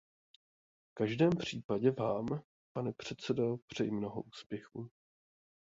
V každém případě Vám, pane předsedo, přeji mnoho úspěchů.